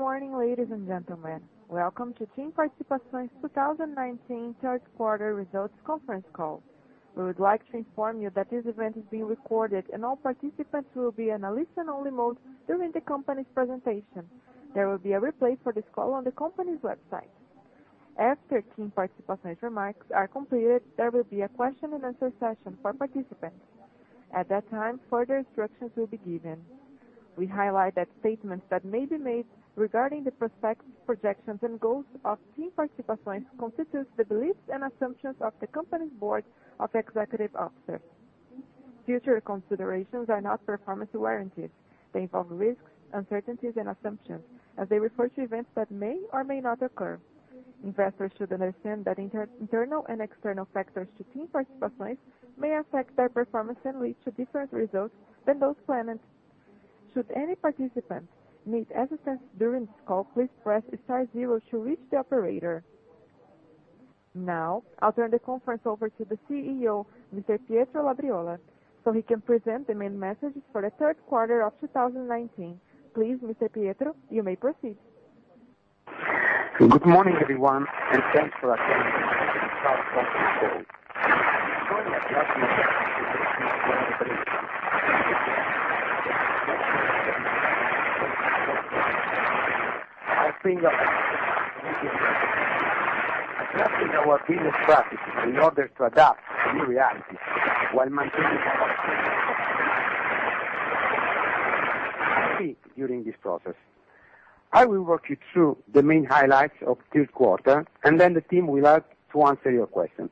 Good morning, ladies and gentlemen. Welcome to TIM Participações 2019 third quarter results conference call. We would like to inform you that this event is being recorded and all participants will be in a listen-only mode during the company's presentation. There will be a replay for this call on the company's website. After TIM Participações remarks are completed, there will be a question and answer session for participants. At that time, further instructions will be given. We highlight that statements that may be made regarding the prospects, projections, and goals of TIM Participações constitutes the beliefs and assumptions of the company's board of executive officers. Future considerations are not performance warranties. They involve risks, uncertainties, and assumptions as they refer to events that may or may not occur. Investors should understand that internal and external factors to TIM Participações may affect their performance and lead to different results than those planned. Should any participant need assistance during this call, please press star zero to reach the operator. Now, I'll turn the conference over to the CEO, Mr. Pietro Labriola, so he can present the main messages for the third quarter of 2019. Please, Mr. Pietro, you may proceed. Good morning, everyone, and thanks for attending this conference call. During the last months, we had to make several adjustments. First of all, we had to adjust our business practices in order to adapt to new realities while maintaining our focus on the long term. We had to make some tough decisions and some tough choices during this process. I will walk you through the main highlights of the third quarter, and then the team will help to answer your questions.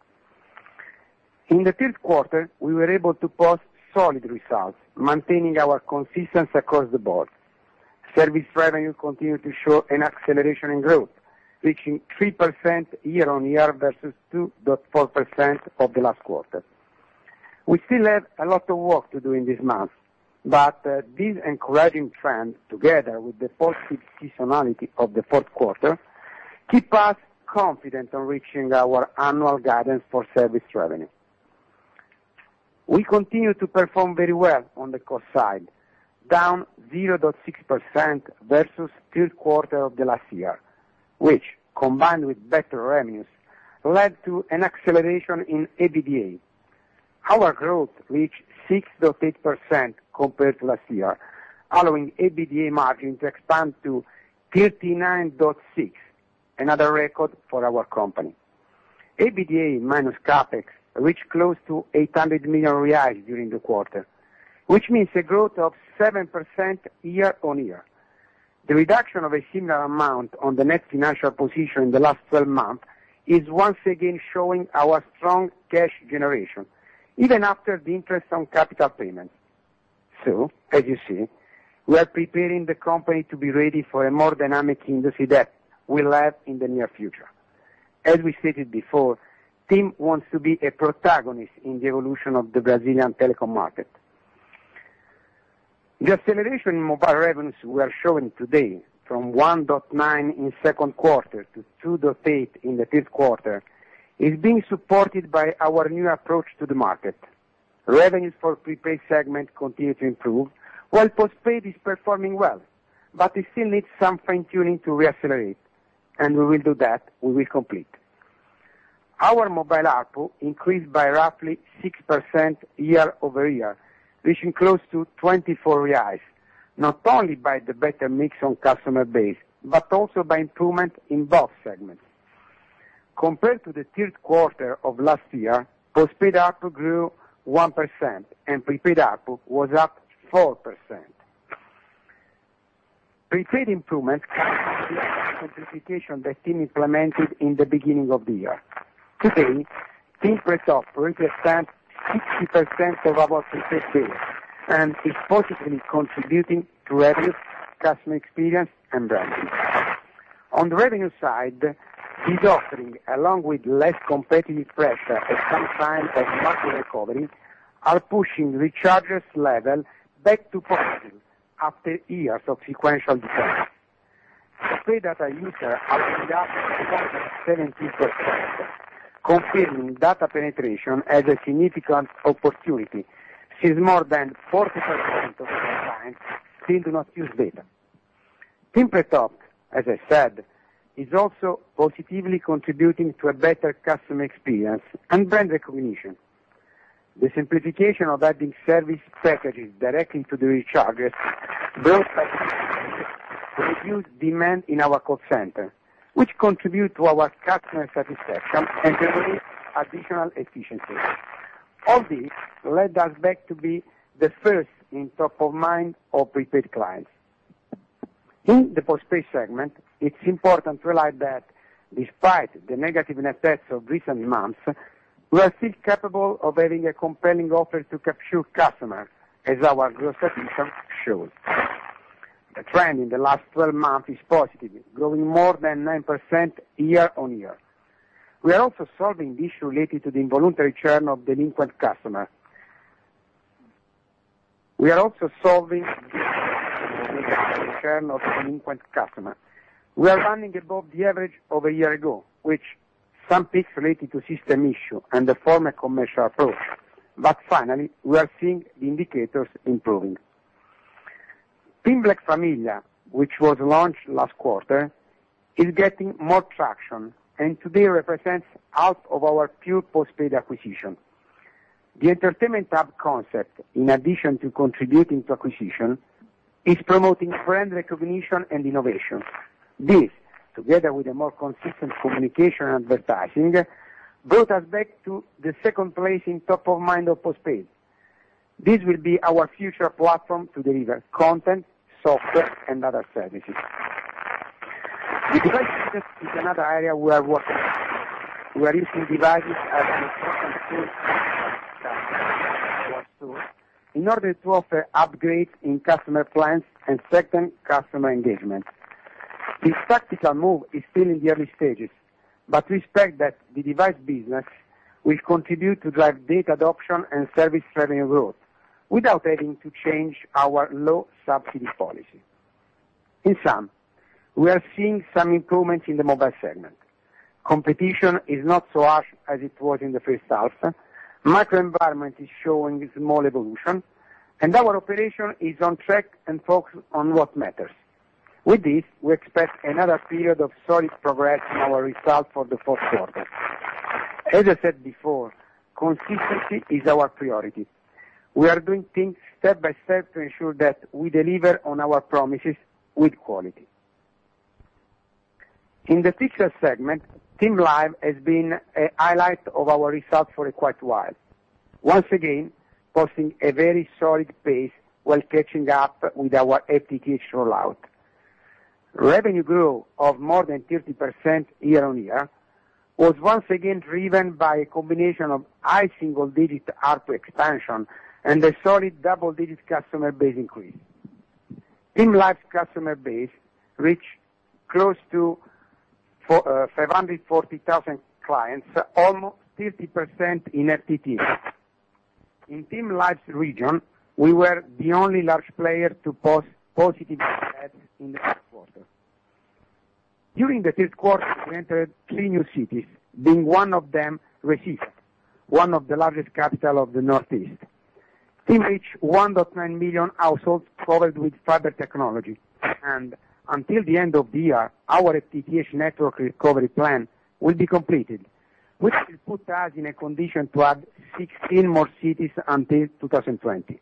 In the third quarter, we were able to post solid results, maintaining our consistency across the board. Service revenue continued to show an acceleration in growth, reaching 3% year-over-year versus 2.4% of the last quarter. We still have a lot of work to do in these months. This encouraging trend, together with the positive seasonality of the fourth quarter, keep us confident on reaching our annual guidance for service revenue. We continue to perform very well on the cost side, down 0.6% versus the third quarter of last year, which, combined with better revenues, led to an acceleration in EBITDA. Our growth reached 6.8% compared to last year, allowing EBITDA margin to expand to 39.6%, another record for our company. EBITDA minus CapEx reached close to 800 million reais during the quarter, which means a growth of 7% year-over-year. The reduction of a similar amount on the net financial position in the last 12 months is once again showing our strong cash generation, even after the interest on capital payments. As you see, we are preparing the company to be ready for a more dynamic industry that we'll have in the near future. As we stated before, TIM wants to be a protagonist in the evolution of the Brazilian telecom market. The acceleration in mobile revenues we are showing today from 1.9 in the second quarter to 2.8 in the third quarter is being supported by our new approach to the market. Revenues for prepaid segment continue to improve while postpaid is performing well. It still needs some fine-tuning to reaccelerate, and we will do that. We will complete. Our mobile ARPU increased by roughly 6% year-over-year, reaching close to 24 reais, not only by the better mix on customer base, but also by improvement in both segments. Compared to the third quarter of last year, postpaid ARPU grew 1% and prepaid ARPU was up 4%. Prepaid improvements comes from the simplification that TIM implemented in the beginning of the year. Today, TIM Pré TOP represents 60% of our prepaid sales and is positively contributing to revenues, customer experience, and branding. On the revenue side, this offering, along with less competitive pressure at some signs of market recovery, are pushing recharger levels back to positive after years of sequential decline. Prepaid data user are up 2.70%, confirming data penetration as a significant opportunity since more than 40% of our clients still do not use data. TIM Pré TOP, as I said, is also positively contributing to a better customer experience and brand recognition. The simplification of adding service packages directly to the recharger brought by this offering reduced demand in our call center, which contribute to our customer satisfaction and generate additional efficiencies. All this led us back to be the first in top of mind of prepaid clients. In the postpaid segment, it's important to realize that despite the negative effects of recent months, we are still capable of having a compelling offer to capture customers as our growth statistics show. The trend in the last 12 months is positive, growing more than 9% year-over-year. We are also solving issues related to the involuntary churn of delinquent customers. We are running above the average of a year ago, which some peaks related to system issue and the former commercial approach. Finally, we are seeing the indicators improving. TIM Black Família, which was launched last quarter, is getting more traction and today represents half of our pure postpaid acquisition. The entertainment hub concept, in addition to contributing to acquisition, is promoting brand recognition and innovation. This, together with a more consistent communication and advertising, brought us back to the second place in top of mind of postpaid. This will be our future platform to deliver content, software, and other services. Device business is another area we are working on. We are using devices as an important tool in order to offer upgrade in customer plans and second customer engagement. This tactical move is still in the early stages, but we expect that the device business will continue to drive data adoption and service revenue growth without having to change our low subsidy policy. In sum, we are seeing some improvements in the mobile segment. Competition is not so harsh as it was in the first half. Macro environment is showing small evolution, our operation is on track and focused on what matters. With this, we expect another period of solid progress in our result for the fourth quarter. As I said before, consistency is our priority. We are doing things step by step to ensure that we deliver on our promises with quality. In the fixed segment, TIM Live has been a highlight of our results for quite a while. Once again, posting a very solid pace while catching up with our FTTH rollout. Revenue growth of more than 30% year-over-year was once again driven by a combination of high single-digit ARPU expansion and a solid double-digit customer base increase. TIM Live customer base reached close to 540,000 clients, almost 50% in FTTH. In TIM Live region, we were the only large player to post positive ARPU in the third quarter. During the third quarter, we entered three new cities, being one of them Recife, one of the largest capital of the Northeast. TIM reached 1.9 million households covered with fiber technology, and until the end of the year, our FTTH network recovery plan will be completed, which will put us in a condition to add 16 more cities until 2020.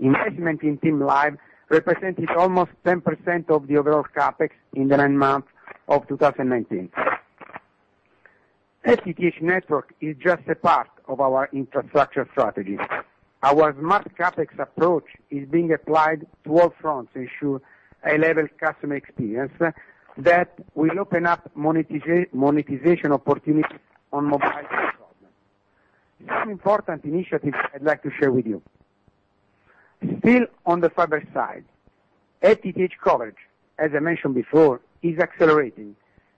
Investment in TIM Live represented almost 10% of the overall CapEx in the nine months of 2019. FTTH network is just a part of our infrastructure strategy. Our smart CapEx approach is being applied to all fronts to ensure a level customer experience that will open up monetization opportunities on mobile platform. Some important initiatives I'd like to share with you. Still on the fiber side, FTTH coverage, as I mentioned before, is accelerating.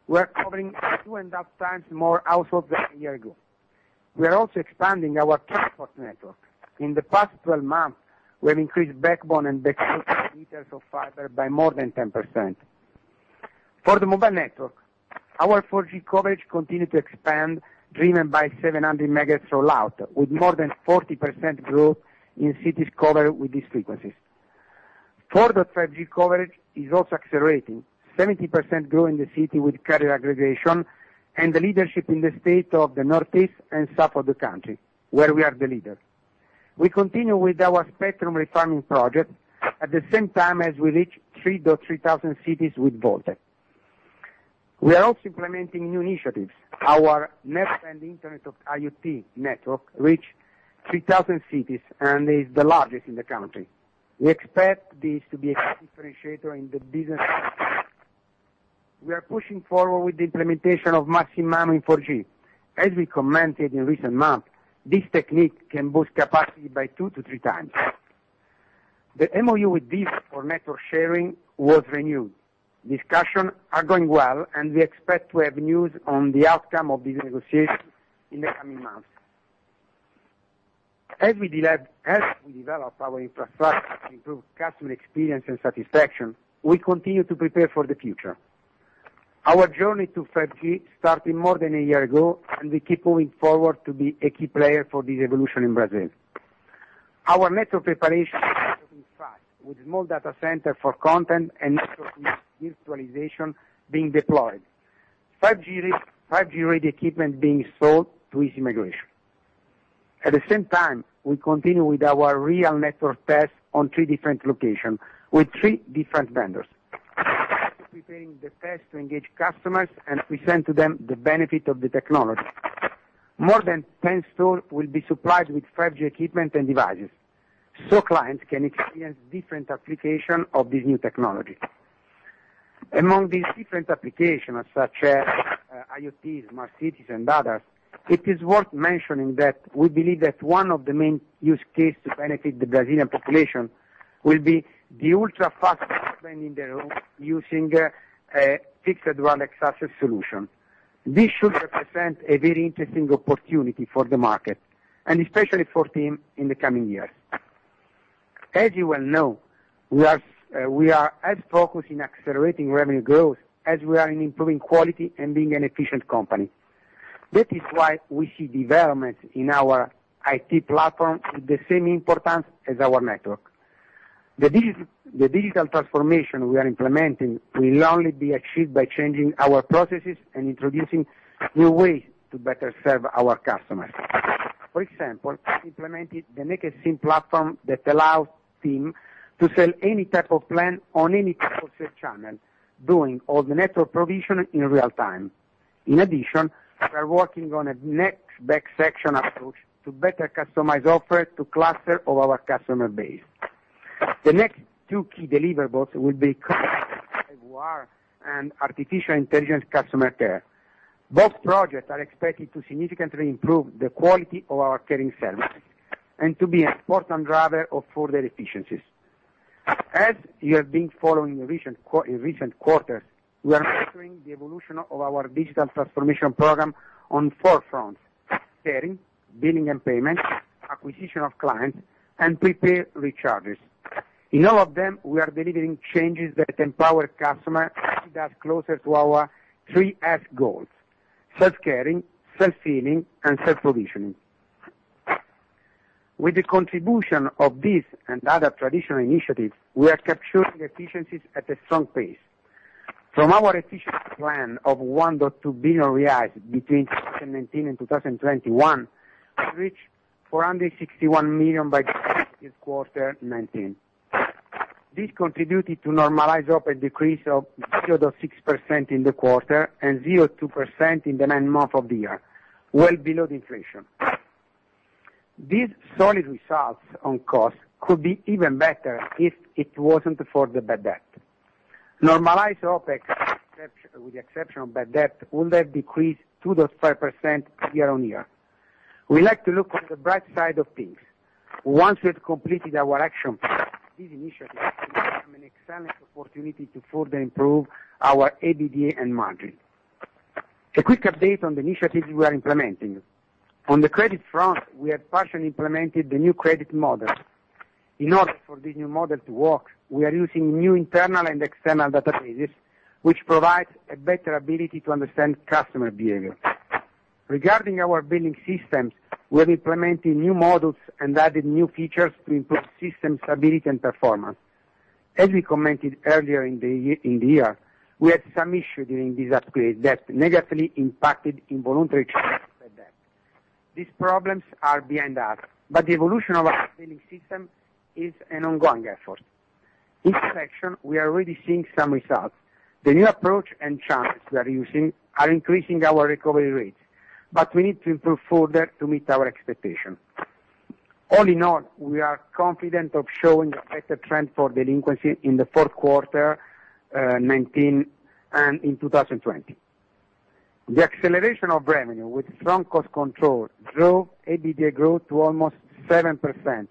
We're covering two and a half times more households than a year ago. We are also expanding our transport network. In the past 12 months, we have increased backbone and backhaul meters of fiber by more than 10%. For the mobile network, our 4G coverage continued to expand, driven by 700 MHz rollout, with more than 40% growth in cities covered with these frequencies. 4.5G coverage is also accelerating, 70% growth in the city with carrier aggregation and the leadership in the state of the northeast and south of the country, where we are the leader. We continue with our spectrum refarming project at the same time as we reach 3,300 cities with VoLTE. We are also implementing new initiatives. Our mesh and Internet of IoT network reach 3,000 cities and is the largest in the country. We expect this to be a key differentiator in the business. We are pushing forward with the implementation of Massive MIMO in 4G. As we commented in recent months, this technique can boost capacity by two to three times. The MoU with DISH for network sharing was renewed. Discussions are going well, and we expect to have news on the outcome of these negotiations in the coming months. As we develop our infrastructure to improve customer experience and satisfaction, we continue to prepare for the future. Our journey to 5G started more than a year ago, and we keep moving forward to be a key player for this evolution in Brazil. Our network preparation is moving fast with small data center for content and network virtualization being deployed. 5G ready equipment being sold to ease migration. At the same time, we continue with our real network test on three different locations with three different vendors. We are also preparing the test to engage customers and present to them the benefit of the technology. More than 10 stores will be supplied with 5G equipment and devices so clients can experience different application of this new technology. Among these different applications, such as IoT, smart cities, and others, it is worth mentioning that we believe that one of the main use case to benefit the Brazilian population will be the ultra-fast broadband in the home using a fixed wireless access solution. This should represent a very interesting opportunity for the market and especially for TIM in the coming years. You well know, we are as focused on accelerating revenue growth as we are in improving quality and being an efficient company. That is why we see development in our IT platform with the same importance as our network. The digital transformation we are implementing will only be achieved by changing our processes and introducing new ways to better serve our customers. For example, we implemented the Naked SIM platform that allows TIM to sell any type of plan on any type of sales channel, doing all the network provision in real time. In addition, we are working on a Next Best Action approach to better customize offers to cluster all our customer base. The next two key deliverables will be and artificial intelligence customer care. Both projects are expected to significantly improve the quality of our caring service and to be an important driver of further efficiencies. As you have been following in recent quarters, we are measuring the evolution of our digital transformation program on 4 fronts: caring, billing and payment, acquisition of clients, and prepare recharges. In all of them, we are delivering changes that empower customers that are closer to our 3 F goals: self-caring, self-healing, and self-provisioning. With the contribution of this and other traditional initiatives, we are capturing efficiencies at a strong pace. From our efficiency plan of 1.2 billion reais between 2019 and 2021, we reached 461 million by the third quarter 2019. This contributed to normalized OPEX decrease of 0.6% in the quarter and 0.2% in the nine months of the year, well below the inflation. These solid results on cost could be even better if it wasn't for the bad debt. Normalized OPEX, with the exception of bad debt, would have decreased 2.5% year-on-year. We like to look on the bright side of things. Once we have completed our action plan, these initiatives will become an excellent opportunity to further improve our EBITDA and margin. A quick update on the initiatives we are implementing. On the credit front, we have partially implemented the new credit model. In order for this new model to work, we are using new internal and external databases, which provide a better ability to understand customer behavior. Regarding our billing systems, we're implementing new models and adding new features to improve system stability and performance. As we commented earlier in the year, we had some issue during this upgrade that negatively impacted involuntary bad debt. These problems are behind us, but the evolution of our billing system is an ongoing effort. Each section, we are already seeing some results. The new approach and channels we are using are increasing our recovery rates, but we need to improve further to meet our expectation. All in all, we are confident of showing a better trend for delinquency in the fourth quarter 2019 and in 2020. The acceleration of revenue with strong cost control drove EBITDA growth to almost 7%,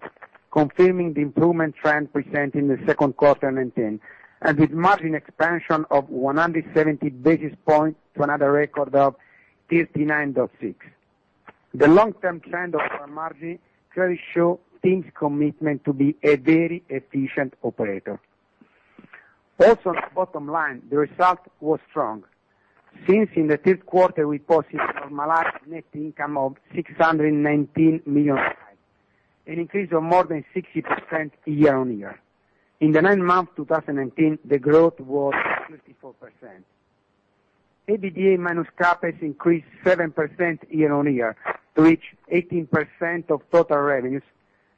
confirming the improvement trend presented in the second quarter 2019, and with margin expansion of 170 basis points to another record of 59.6%. The long-term trend of our margin clearly show TIM's commitment to be a very efficient operator. Also, on the bottom line, the result was strong. Since in the third quarter, we posted normalized net income of 619 million, an increase of more than 60% year-over-year. In the nine months of 2019, the growth was 54%. EBITDA minus CapEx increased 7% year-over-year to reach 18% of total revenues,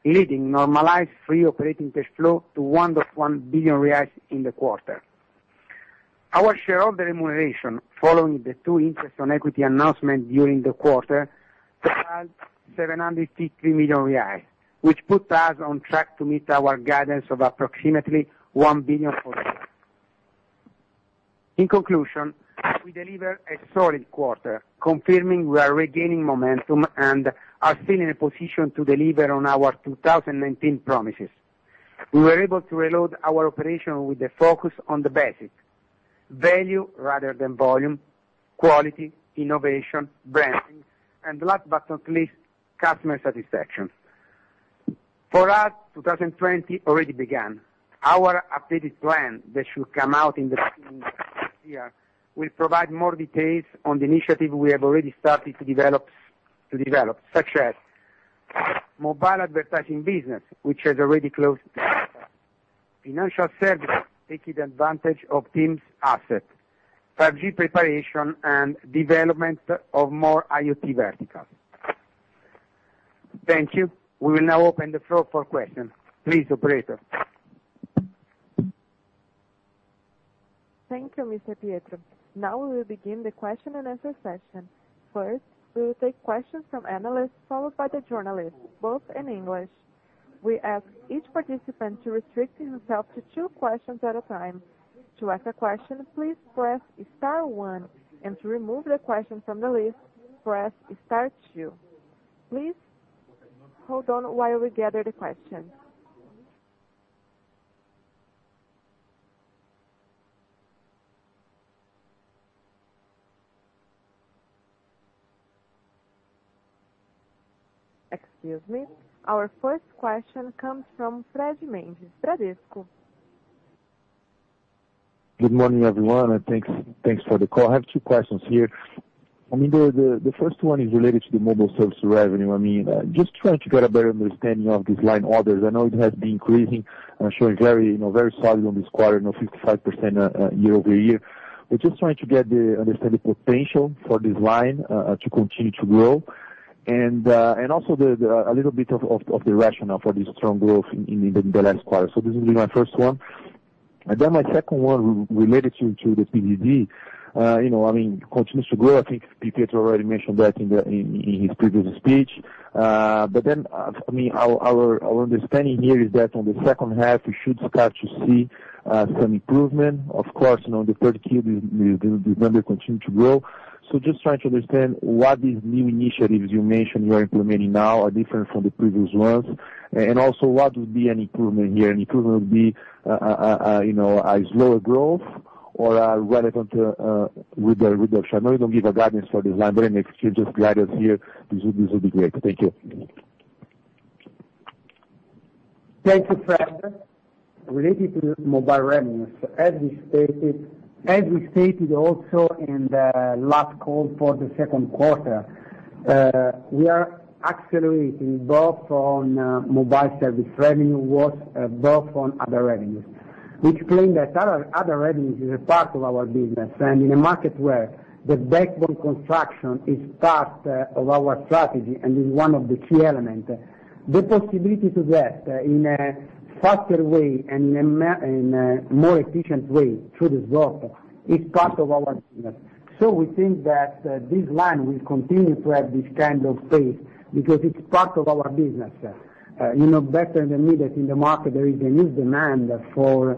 leading normalized free operating cash flow to 1.1 billion reais in the quarter. Our share of the remuneration following the two interest on equity announcement during the quarter totaled 753 million reais, which puts us on track to meet our guidance of approximately 1 billion for the year. In conclusion, we delivered a solid quarter, confirming we are regaining momentum and are still in a position to deliver on our 2019 promises. We were able to reload our operation with the focus on the basics, value rather than volume, quality, innovation, branding, and last but not least, customer satisfaction. For us, 2020 already began. Our updated plan that should come out in the new year will provide more details on the initiative we have already started to develop, such as mobile advertising business, which has already closed, financial services taking advantage of TIM's asset, 5G preparation, and development of more IoT verticals. Thank you. We will now open the floor for questions. Please, operator. Thank you, Mr. Pietro. We will begin the question and answer session. First, we will take questions from analysts, followed by the journalists, both in English. We ask each participant to restrict himself to two questions at a time. To ask a question, please press star one, and to remove the question from the list, press star two. Please hold on while we gather the questions. Excuse me. Our first question comes from Fred Mendes, Bradesco. Good morning, everyone, and thanks for the call. I have two questions here. The first one is related to the mobile service revenue. Just trying to get a better understanding of this line orders. I know it has been increasing and showing very solid on this quarter, now 55% year-over-year. Just trying to get the understanding potential for this line to continue to grow, and also a little bit of the rationale for this strong growth in the last quarter. This will be my first one. My second one related to the PDD. Continues to grow. I think Pietro already mentioned that in his previous speech. Our understanding here is that on the second half, we should start to see some improvement. Of course, the third Q, the number continue to grow. Just trying to understand what these new initiatives you mentioned you are implementing now are different from the previous ones, and also what would be an improvement here? An improvement would be a slower growth or relevant with the reduction. I know you don't give a guidance for this line, but if you just guide us here, this would be great. Thank you. Thank you, Fred. Related to mobile revenues, as we stated also in the last call for the second quarter, we are accelerating both on mobile service revenue, both on other revenues, which claim that other revenues is a part of our business. In a market where the backbone construction is part of our strategy and is one of the key elements, the possibility to get in a faster way and in a more efficient way through the result is part of our business. We think that this line will continue to have this kind of pace because it's part of our business. You know better than me that in the market, there is a new demand for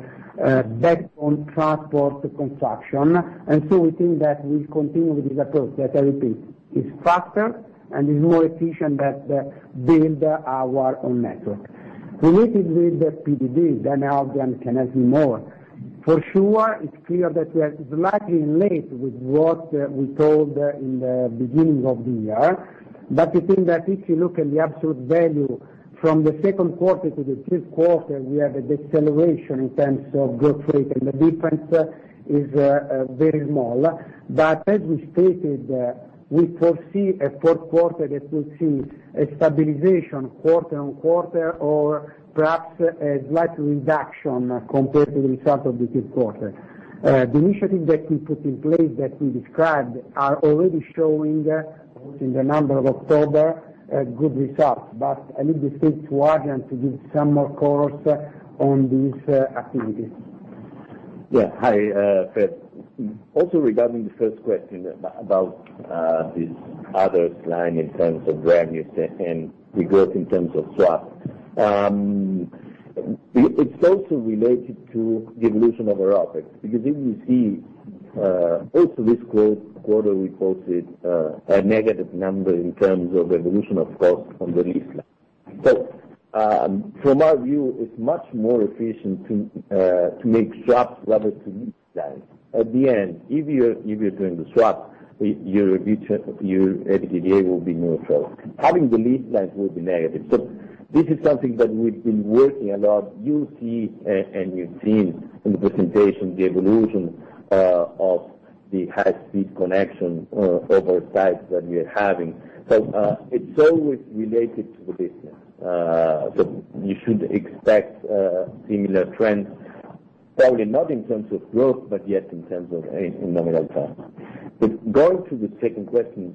backbone transport construction. We think that we'll continue with this approach that I repeat, is faster and is more efficient than build our own network. Related with the PDD, Adrian can add me more. For sure, it's clear that we are slightly late with what we told in the beginning of the year. We think that if you look at the absolute value from the second quarter to the third quarter, we have a deceleration in terms of growth rate, and the difference is very small. As we stated, we foresee a fourth quarter that will see a stabilization quarter-on-quarter or perhaps a slight reduction compared to the result of the third quarter. The initiative that we put in place that we described are already showing in the number of October good results. I leave the stage to Adrian to give some more colors on these activities. Hi, Fred. Also regarding the first question about this other line in terms of revenues and the growth in terms of swap. It's also related to the evolution of our topics, because if you see also this quarter, we posted a negative number in terms of evolution, of course, on the lease line. From our view, it's much more efficient to make swaps rather to lease line. At the end, if you're doing the swap, your EBITDA will be more solid. Having the lease line will be negative. This is something that we've been working a lot. You'll see, and you've seen in the presentation, the evolution of the high-speed connection over sites that we are having. It's always related to the business. You should expect similar trends, probably not in terms of growth, but yet in terms of in nominal terms. Going to the second question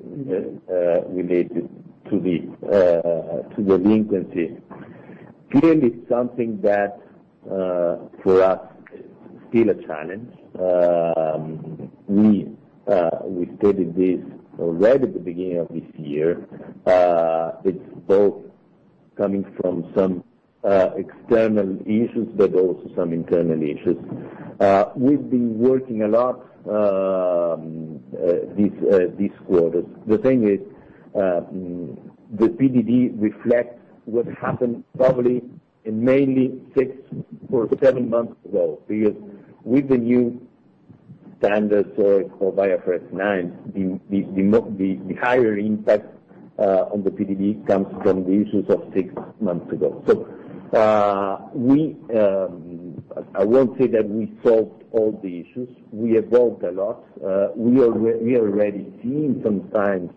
related to the delinquency. Clearly, it's something that for us is still a challenge. We stated this already at the beginning of this year. It's both coming from some external issues, but also some internal issues. We've been working a lot these quarters. The thing is, the PDD reflects what happened probably and mainly six or seven months ago, because with the new standards or via IFRS 9, the higher impact on the PDD comes from the issues of six months ago. I won't say that we solved all the issues. We evolved a lot. We are already seeing some signs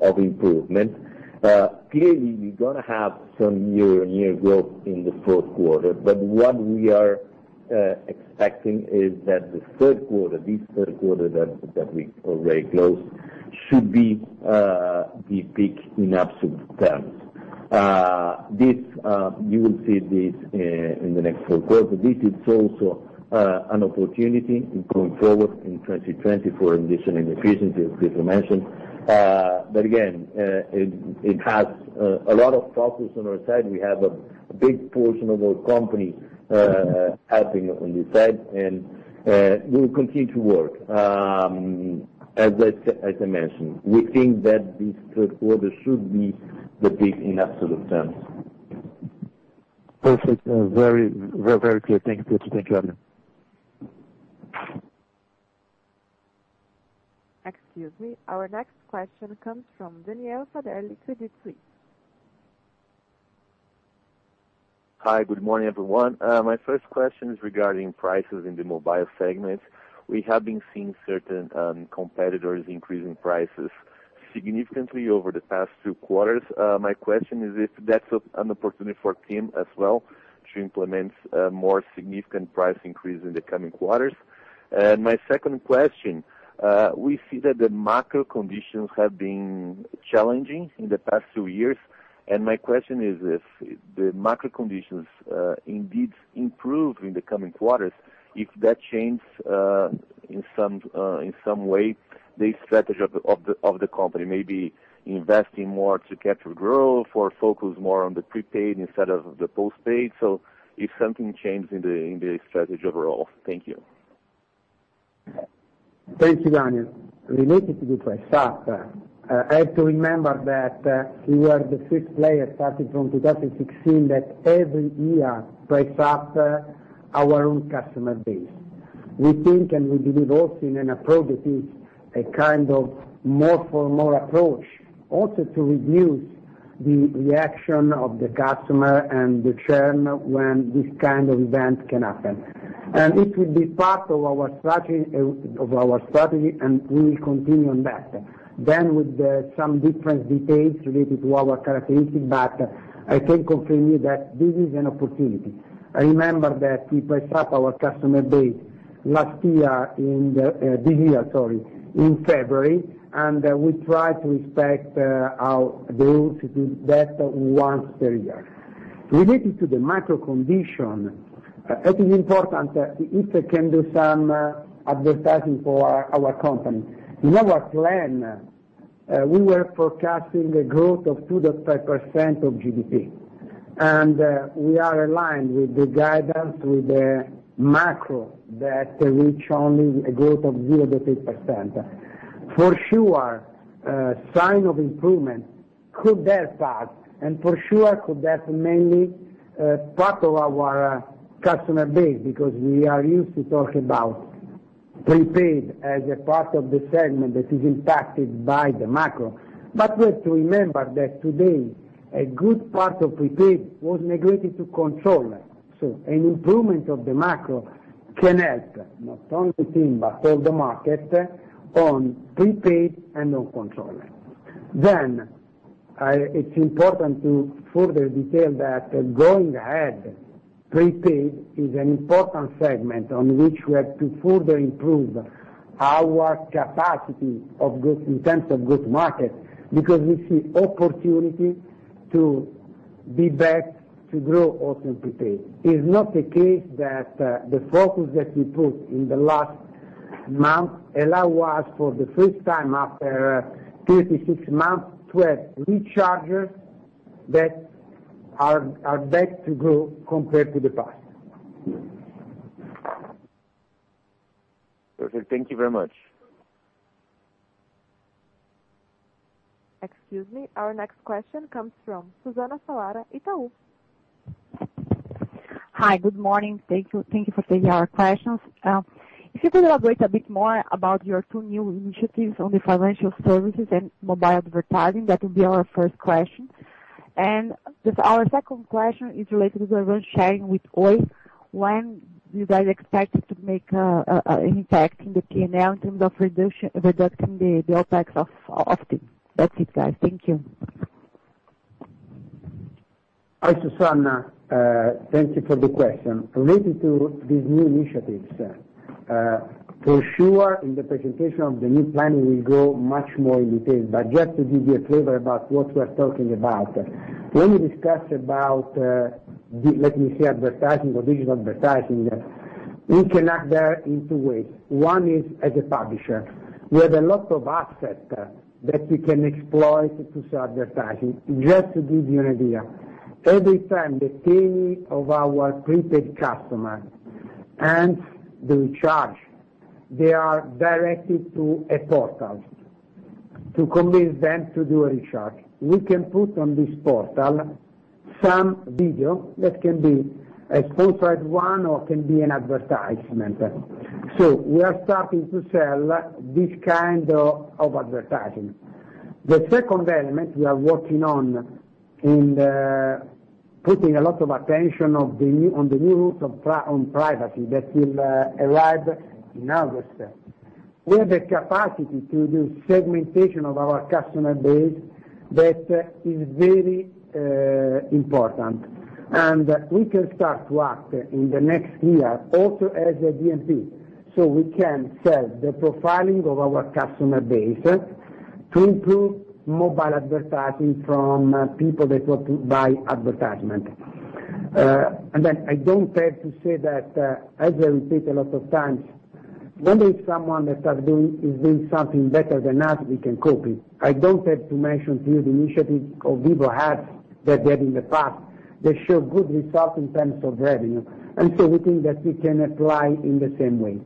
of improvement. Clearly, we're going to have some year-over-year growth in the fourth quarter, but what we are expecting is that the third quarter, this third quarter that we already closed, should be the peak in absolute terms. You will see this in the next four quarters. This is also an opportunity in going forward in 2020 for additional efficiency, as Pietro mentioned. Again, it has a lot of focus on our side. We have a big portion of our company helping on this side, and we will continue to work. As I mentioned, we think that this third quarter should be the peak in absolute terms. Perfect. Very clear. Thank you, Pietro. Thank you, Adrian. Excuse me. Our next question comes from Daniel Federle, Credit Suisse. Hi, good morning, everyone. My first question is regarding prices in the mobile segment. We have been seeing certain competitors increasing prices significantly over the past two quarters. My question is if that's an opportunity for TIM as well to implement a more significant price increase in the coming quarters. My second question, we see that the macro conditions have been challenging in the past two years. My question is if the macro conditions indeed improve in the coming quarters, if that change in some way the strategy of the company, maybe investing more to capture growth or focus more on the prepaid instead of the postpaid? If something changes in the strategy overall? Thank you. Thank you, Daniel. Related to the price up, have to remember that we were the first player, starting from 2016, that every year price up our own customer base. We think and we believe also in an approach that is a more for more approach, also to reduce the reaction of the customer and the churn when this kind of event can happen. It will be part of our strategy, and we will continue on that. With some different details related to our characteristics, but I can confirm you that this is an opportunity. I remember that we priced up our customer base this year in February, and we try to respect our goal to do that once per year. Related to the macro condition, it is important, if I can do some advertising for our company. In our plan, we were forecasting a growth of 2.5% of GDP, we are aligned with the guidance, with the macro that reach only a growth of 0.8%. For sure, sign of improvement could help us, for sure could help mainly part of our customer base, because we are used to talk about prepaid as a part of the segment that is impacted by the macro. We have to remember that today, a good part of prepaid was migrated to control. An improvement of the macro can help, not only TIM, but for the market on prepaid and on control. It's important to further detail that going ahead, prepaid is an important segment on which we have to further improve our capacity in terms of growth market, because we see opportunity to be back to grow also in prepaid. It's not the case that the focus that we put in the last month allow us for the first time after 36 months to have rechargers that are back to grow compared to the past. Perfect. Thank you very much. Excuse me. Our next question comes from Susana Salaru, Itaú. Hi. Good morning. Thank you for taking our questions. If you could elaborate a bit more about your two new initiatives on the financial services and mobile advertising, that will be our first question. Just our second question is related to the revenue sharing with Oi. When do you guys expect to make an impact in the P&L in terms of reducing the OpEx of TIM? That's it, guys. Thank you. Hi, Susana. Thank you for the question. Related to these new initiatives, for sure, in the presentation of the new planning, we'll go much more in detail. Just to give you a flavor about what we're talking about, when we discuss about, let me say, advertising or digital advertising, we connect there in two ways. One is as a publisher. We have a lot of assets that we can exploit to sell advertising. Just to give you an idea, every time the TE of our prepaid customer ends the recharge, they are directed to a portal to convince them to do a recharge. We can put on this portal some video that can be a sponsored one or can be an advertisement. We are starting to sell this kind of advertising. The second element we are working on and putting a lot of attention on the new rules on privacy that will arrive in August. We have the capacity to do segmentation of our customer base that is very important. We can start to act in the next year also as a DMP, so we can sell the profiling of our customer base to improve mobile advertising from people that want to buy advertisement. I don't have to say that, as I repeat a lot of times, when there is someone that is doing something better than us, we can copy. I don't have to mention to you the initiative of Vivo Ads that they had in the past that show good results in terms of revenue, we think that we can apply in the same way.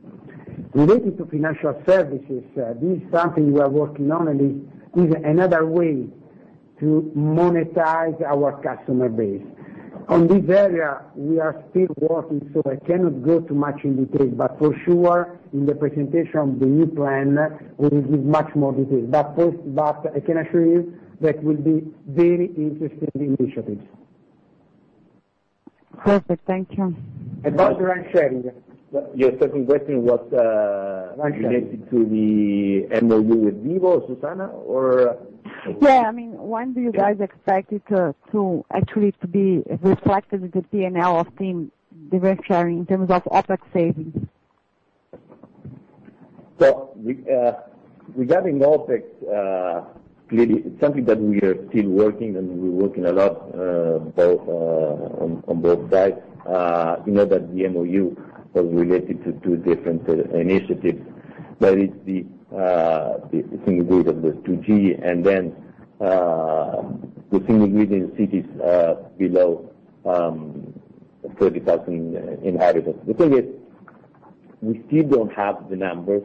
Related to financial services, this is something we are working on, and this is another way to monetize our customer base. On this area, we are still working, so I cannot go too much in detail, but for sure, in the presentation of the new plan, we will give much more detail. First, I can assure you that will be very interesting initiatives. Perfect. Thank you. About revenue sharing. Your second question was. Revenue sharing related to the MoU with Vivo, Susana, or? Yeah. When do you guys expect it to actually be reflected in the P&L of TIM, the revenue sharing, in terms of OPEX savings? Regarding OPEX, clearly, it's something that we are still working on. We're working a lot on both sides. You know that the MoU was related to two different initiatives. That is the Single RAN, the 2G, and the Single RAN in cities below 30,000 inhabitants. The thing is, we still don't have the numbers,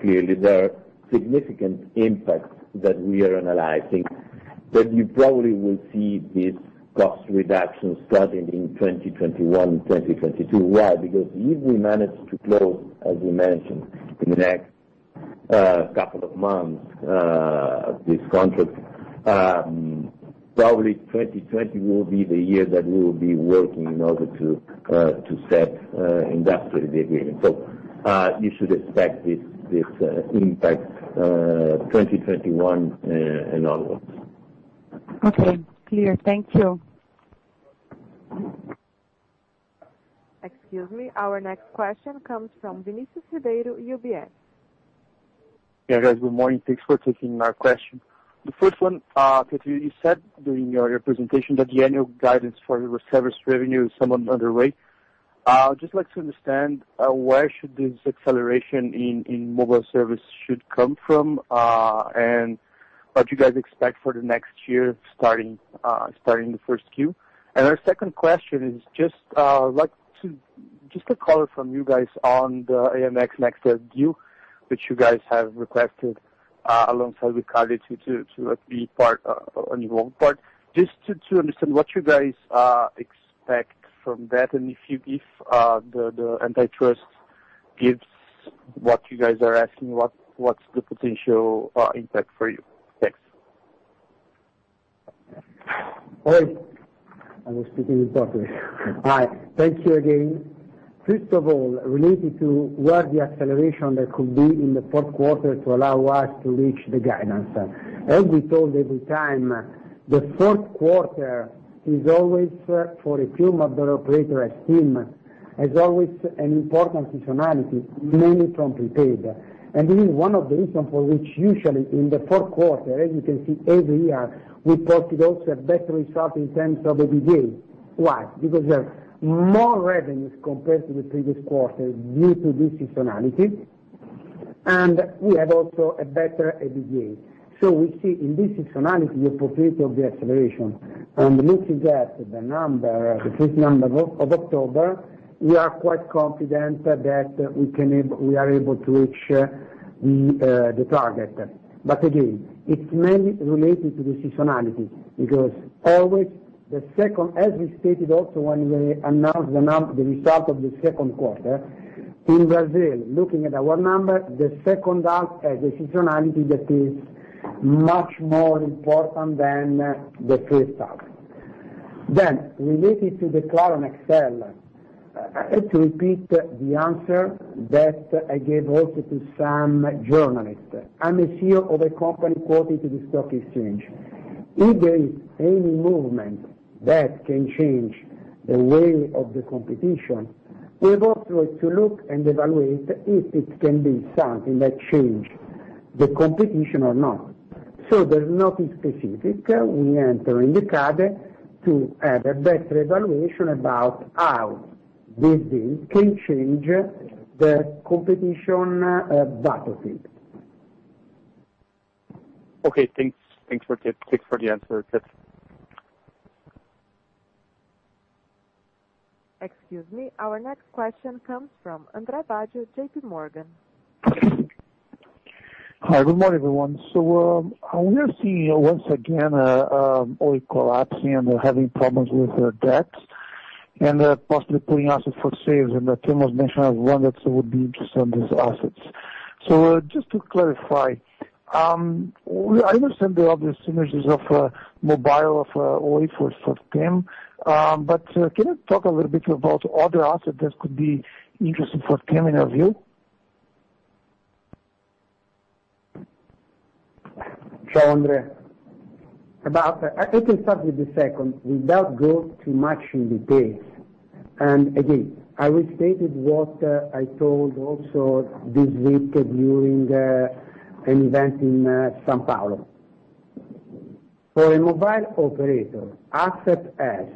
clearly. There are significant impacts that we are analyzing. You probably will see these cost reductions starting in 2021, 2022. Why? If we manage to close, as we mentioned, in the next couple of months, this contract, probably 2020 will be the year that we will be working in order to set industrially the agreement. You should expect this impact 2021 and onwards. Okay, clear. Thank you. Excuse me. Our next question comes from Vinicius Ribeiro, UBS. Yeah, guys, good morning. Thanks for taking my question. The first one, because you said during your presentation that the annual guidance for your service revenue is somewhat underway. Just like to understand where should this acceleration in mobile service should come from, and what do you guys expect for the next year starting the first Q? Our second question is just like to get a color from you guys on the AMX Next review, which you guys have requested alongside with Ricardo to be part on your own part. Just to understand what you guys expect from that, if the antitrust gives what you guys are asking, what's the potential impact for you? Thanks. Oi. I was speaking in Portuguese. Hi. Thank you again. First of all, related to where the acceleration that could be in the fourth quarter to allow us to reach the guidance. As we told every time, the fourth quarter is always for a few mobile operators as TIM, is always an important seasonality, mainly from prepaid. This is one of the reasons for which usually in the fourth quarter, as you can see every year, we posted also a better result in terms of EBITDA. Why? Because we have more revenues compared to the previous quarter due to this seasonality. We have also a better EBITDA. We see in this seasonality the opportunity of the acceleration, and looking at the number, the first number of October, we are quite confident that we are able to reach the target. Again, it's mainly related to the seasonality, because always the second, as we stated also when we announced the result of the second quarter, in Brazil, looking at our number, the second half has a seasonality that is much more important than the first half. Related to the Claro and Nextel. Let's repeat the answer that I gave also to some journalists. I'm a CEO of a company quoted to the stock exchange. If there is any movement that can change the way of the competition, we have also to look and evaluate if it can be something that change the competition or not. There's nothing specific. We enter in the CADE to have a better evaluation about how this deal can change the competition data field. Okay, thanks. Thanks for the answer. Excuse me. Our next question comes from Andre Baggio, JP Morgan. Hi, good morning, everyone. We are seeing once again, Oi collapsing and having problems with their debts and possibly putting assets for sale, and TIM was mentioned as one that would be interested in these assets. Just to clarify, I understand there are the synergies of mobile, of Oi for TIM, but can you talk a little bit about other assets that could be interesting for TIM in your view? Sure, Andre. I can start with the second, without go too much in details. Again, I will state what I told also this week during an event in São Paulo. For a mobile operator, assets as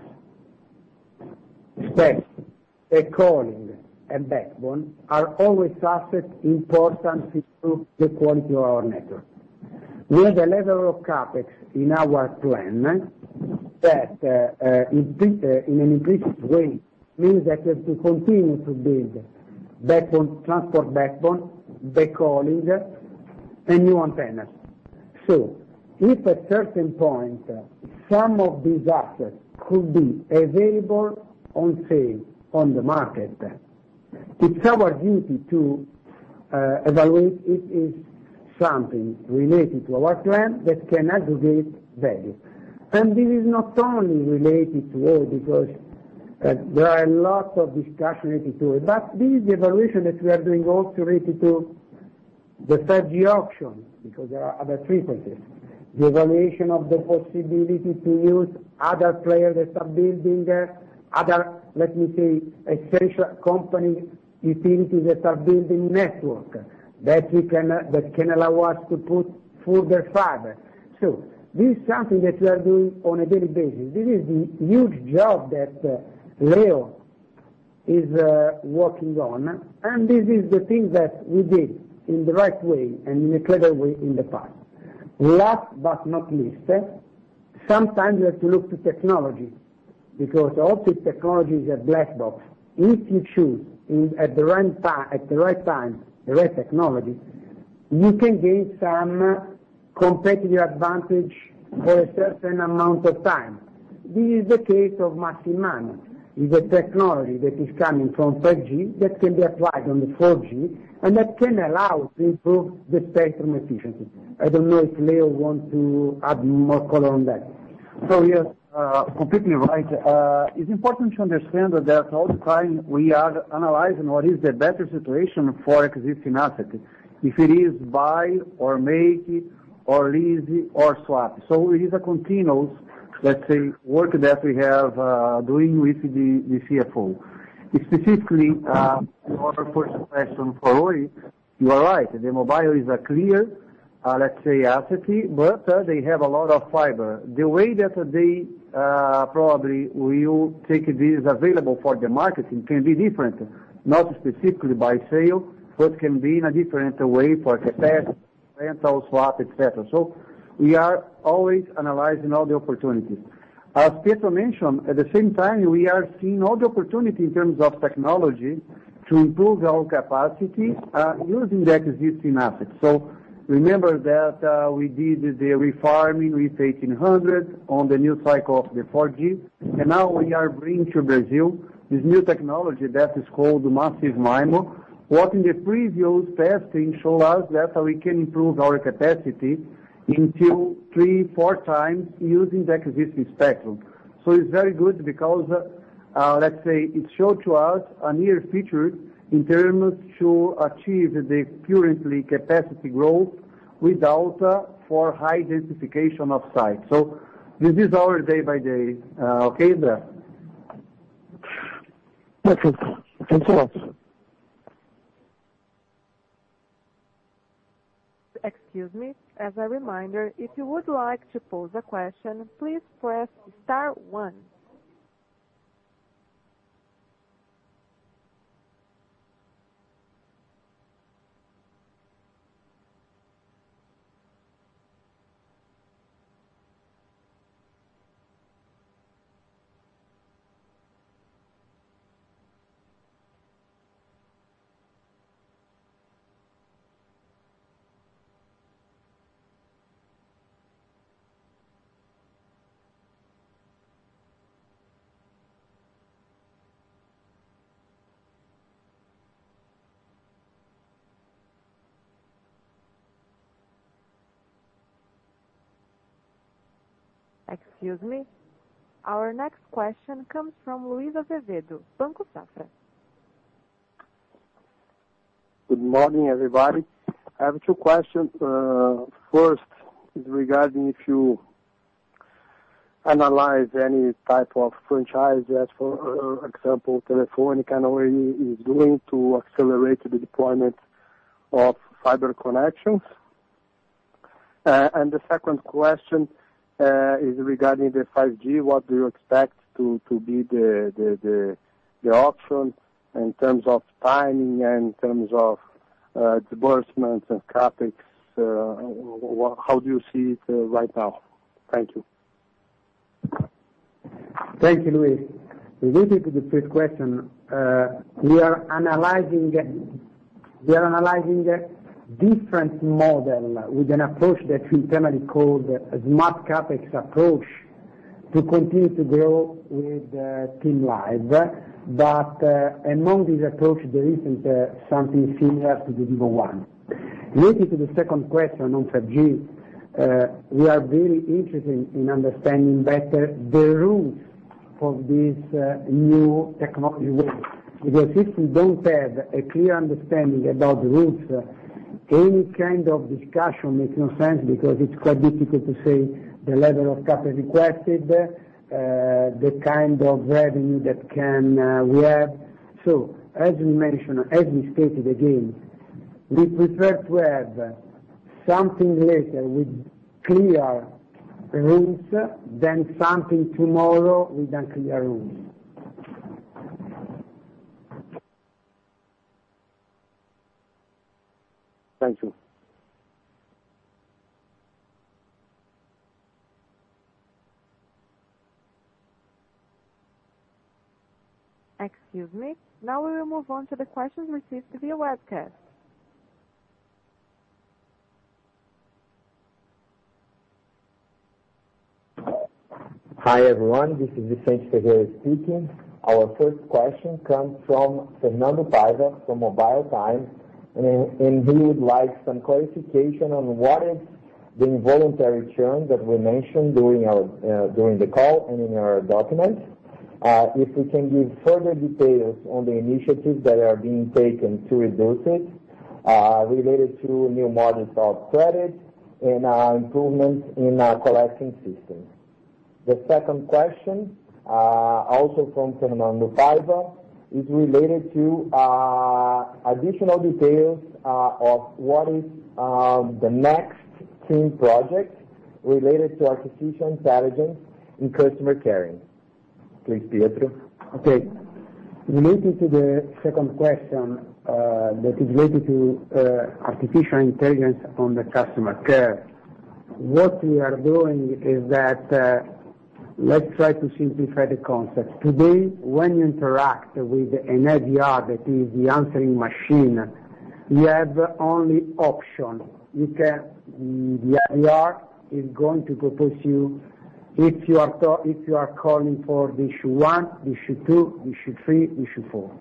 spectrum, a calling and backbone are always assets important to the quality of our network. We have a level of CapEx in our plan that in an increased way means that we have to continue to build transport backbone, backhauling, and new antennas. If at certain point, some of these assets could be available on sale on the market, it's our duty to evaluate it is something related to our plan that can aggregate value. This is not only related to Oi because there are a lot of discussion related to it. This is the evaluation that we are doing also related to the 5G auction because there are other frequencies. The evaluation of the possibility to use other players that are building, other essential company utilities that are building network, that can allow us to put further fiber. This is something that we are doing on a daily basis. This is the huge job that [Leo] is working on, and this is the thing that we did in the right way and in a clever way in the past. Last but not least, sometimes you have to look to technology, because often technology is a black box. If you choose at the right time, the right technology, you can gain some competitive advantage for a certain amount of time. This is the case of Massive MIMO, is a technology that is coming from 3G that can be applied on the 4G and that can allow to improve the spectrum efficiency. I don't know if [Leo ]wants to add more color on that. You're completely right. It's important to understand that all the time we are analyzing what is the better situation for existing asset, if it is buy or make or lease or swap. It is a continuous work that we have doing with the CFO. Specifically, your first question for Oi, you are right. The mobile is a clear asset, but they have a lot of fiber. The way that they probably will take this available for the market can be different, not specifically by sale, but can be in a different way for capacity, rental, swap, et cetera. We are always analyzing all the opportunities. As Pietro mentioned, at the same time, we are seeing all the opportunity in terms of technology to improve our capacity using the existing assets. Remember that we did the refarming with 1800 on the new cycle of the 4G. Now we are bringing to Brazil this new technology that is called Massive MIMO. What in the previous testing show us that we can improve our capacity into three, four times using the existing spectrum. It's very good because it showed to us a near future in terms to achieve the currently capacity growth without for high densification of sites. This is our day by day. Okay, Jeff? Perfect. Thanks a lot. Excuse me. As a reminder, if you would like to pose a question, please press star one. Excuse me. Our next question comes from Luiz Azevedo, Banco Safra. Good morning, everybody. I have two questions. First is regarding if you analyze any type of franchise, as for example, Telefónica and Oi is doing to accelerate the deployment of fiber connections. The second question is regarding the 5G. What do you expect to be the auction in terms of timing and in terms of disbursements and CapEx? How do you see it right now? Thank you. Thank you, Luiz. Related to the first question, we are analyzing different model with an approach that we internally call smart CapEx approach to continue to grow with TIM Live. Among these approach, there isn't something similar to the Vivo one. Related to the second question on 5G, we are very interested in understanding better the rules of this new technology wave. If we don't have a clear understanding about the rules, any kind of discussion makes no sense because it's quite difficult to say the level of capital requested, the kind of revenue that we can have. As we mentioned, as we stated again, we prefer to have something later with clear rules than something tomorrow with unclear rules. Excuse me. We will move on to the questions received via webcast. Hi, everyone. This is Vicente Ferreira speaking. Our first question comes from Fernando Paiva from Mobile Time, and he would like some clarification on what is the involuntary churn that we mentioned during the call and in our documents. If we can give further details on the initiatives that are being taken to reduce it, related to new models of credit and improvements in our collection system. The second question, also from Fernando Paiva, is related to additional details of what is the next TIM project related to artificial intelligence in customer caring. Please, Pietro. Okay. Related to the second question, that is related to artificial intelligence on the customer care. What we are doing is that, let's try to simplify the concept. Today, when you interact with an IVR, that is the answering machine, you have only option. The IVR is going to propose you, if you are calling for issue 1, issue 2, issue 3, issue 4.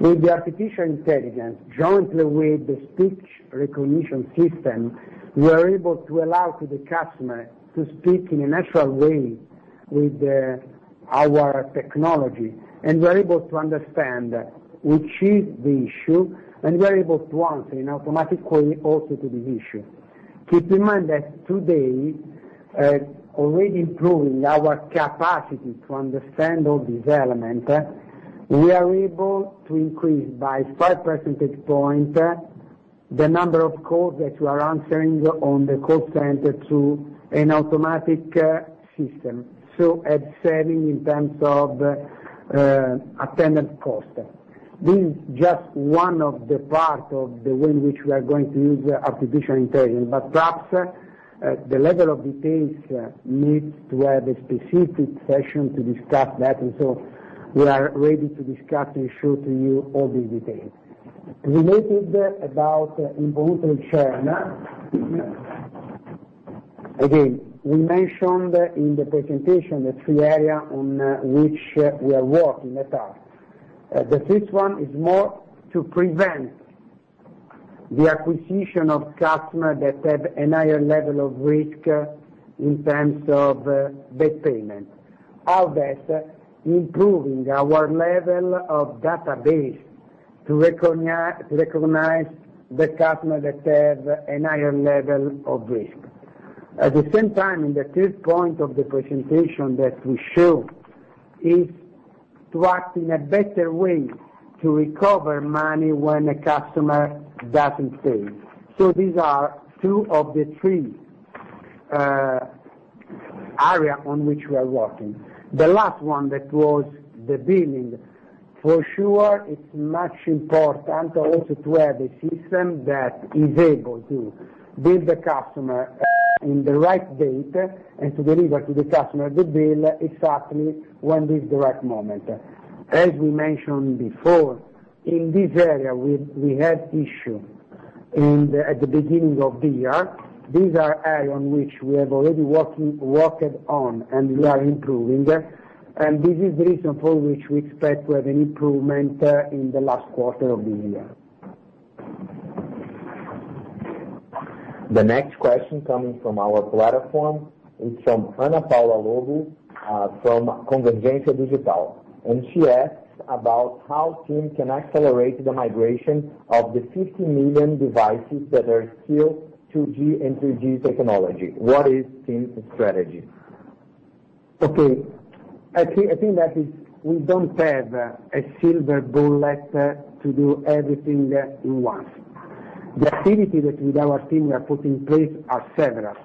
With the artificial intelligence, jointly with the speech recognition system, we are able to allow to the customer to speak in a natural way with our technology, and we're able to understand which is the issue, and we're able to answer in automatic way also to the issue. Keep in mind that today, already improving our capacity to understand all these elements, we are able to increase by 5 percentage points the number of calls that we are answering on the call center to an automatic system. As a saving in terms of attendant cost. This is just one of the parts of the way in which we are going to use artificial intelligence, perhaps, the level of details needs to have a specific session to discuss that. We are ready to discuss and show to you all these details. Related to involuntary churn. Again, we mentioned in the presentation the three areas on which we are working at. The fifth one is more to prevent the acquisition of customers that have a higher level of risk in terms of debt payment. How that? Improving our level of database to recognize the customer that have a higher level of risk. At the same time, in the third point of the presentation that we show is to act in a better way to recover money when a customer doesn't pay. These are two of the three area on which we are working. The last one that was the billing. For sure, it's much important also to have a system that is able to bill the customer in the right date and to deliver to the customer the bill exactly when is the right moment. As we mentioned before, in this area, we had issue at the beginning of the year. These are area on which we have already worked on, and we are improving. This is the reason for which we expect to have an improvement in the last quarter of the year. The next question coming from our platform is from Ana Paula Lobo, from Convergência Digital. She asks about how TIM can accelerate the migration of the 50 million devices that are still 2G and 3G technology. What is TIM's strategy? Okay. I think that is we don't have a silver bullet to do everything at once. The activity that with our team we have put in place are several.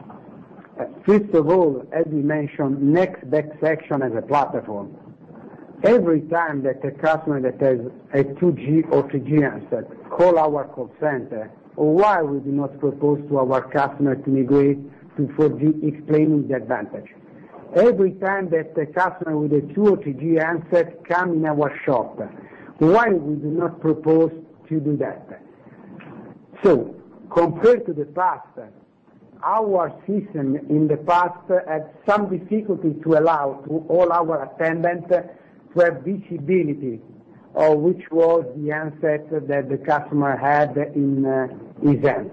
First of all, as we mentioned, Next Best Action as a platform. Every time that a customer that has a 2G or 3G handset call our call center, or why we do not propose to our customer to migrate to 4G, explaining the advantage. Every time that a customer with a 2 or 3G handset come in our shop, why we do not propose to do that? Compared to the past, our system in the past had some difficulty to allow to all our attendant to have visibility of which was the handset that the customer had in his hands.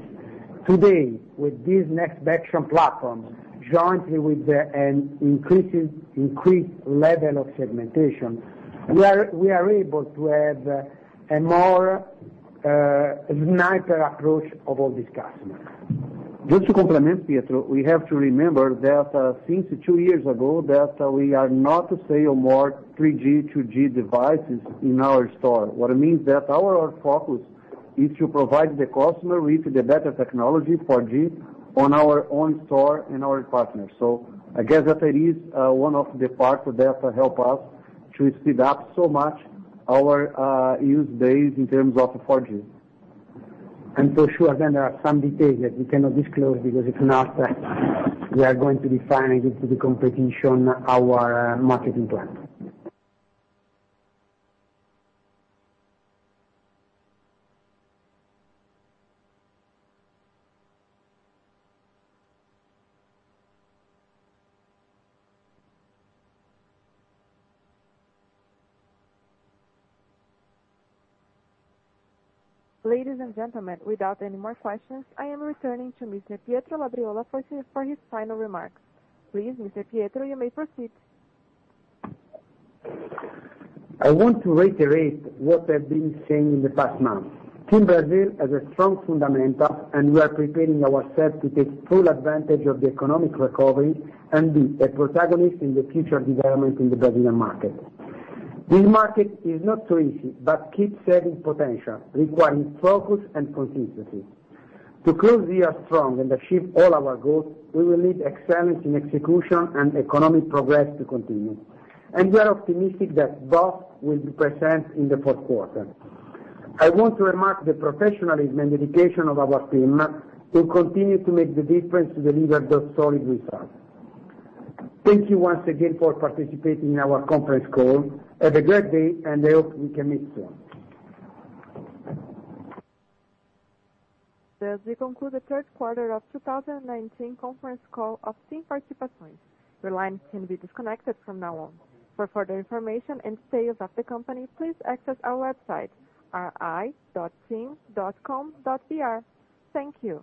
Today, with this Next Best Action platform, jointly with an increased level of segmentation, we are able to have a more sniper approach of all these customers. Just to complement, Pietro, we have to remember that since two years ago, that we are not to sell more 3G, 2G devices in our store. What it means that our focus is to provide the customer with the better technology, 4G, on our own store and our partners. I guess that it is one of the part that help us To speed up so much our use base in terms of 4G. For sure, again, there are some details that we cannot disclose because if not, we are going to be defining to the competition our marketing plan. Ladies and gentlemen, without any more questions, I am returning to Mr. Pietro Labriola for his final remarks. Please, Mr. Pietro, you may proceed. I want to reiterate what I've been saying in the past months. TIM Brazil has a strong fundamental, and we are preparing ourselves to take full advantage of the economic recovery and be a protagonist in the future development in the Brazilian market. This market is not so easy, but keeps having potential, requiring focus and consistency. To close the year strong and achieve all our goals, we will need excellence in execution and economic progress to continue. We are optimistic that both will be present in the fourth quarter. I want to remark the professionalism and dedication of our team who continue to make the difference to deliver those solid results. Thank you once again for participating in our conference call. Have a great day, and I hope we can meet soon. This concludes the third quarter of 2019 conference call of TIM Participações. Your line can be disconnected from now on. For further information and status of the company, please access our website, ri.tim.com.br. Thank you.